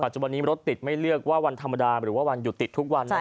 จุบันนี้รถติดไม่เลือกว่าวันธรรมดาหรือว่าวันหยุดติดทุกวัน